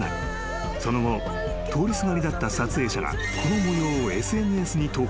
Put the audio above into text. ［その後通りすがりだった撮影者がこの模様をＳＮＳに投稿］